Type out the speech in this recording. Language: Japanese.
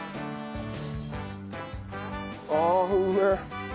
ああうめえ！